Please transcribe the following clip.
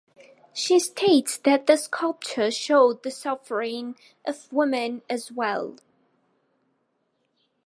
She states that the sculpture showed the suffering of women as well.